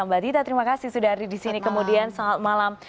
mbak dita terima kasih sudah hadir di sini kemudian selamat malam